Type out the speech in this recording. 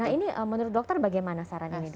nah ini menurut dokter bagaimana saran ini dok